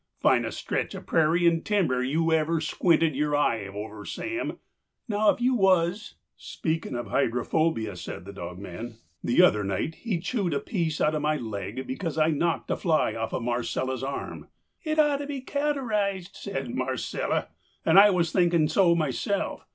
Finest stretch of prairie and timber you ever squinted your eye over, Sam. Now if you was—" "Speaking of hydrophobia," said the dogman, "the other night he chewed a piece out of my leg because I knocked a fly off of Marcella's arm. 'It ought to be cauterized,' says Marcella, and I was thinking so myself.